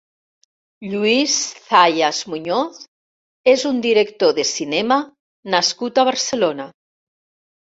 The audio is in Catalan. Lluís Zayas Muñoz és un director de cinema nascut a Barcelona.